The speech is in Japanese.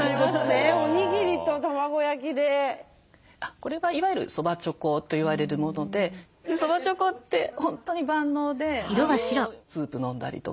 これはいわゆるそばちょこといわれるものでそばちょこって本当に万能でスープ飲んだりとか。